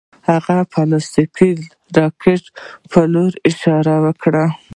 هغه د پلاستیکي راکټ په لور اشاره وکړه